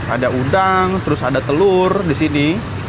ada udang terus ada telur di sini